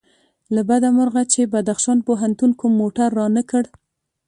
له بده مرغه چې بدخشان پوهنتون کوم موټر رانه کړ.